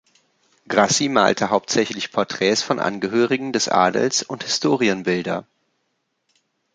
Grassi malte hauptsächlich Porträts von Angehörigen des Adels und Historienbilder.